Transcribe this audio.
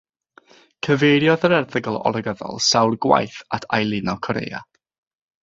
Cyfeiriodd yr erthygl olygyddol sawl gwaith at ailuno Korea.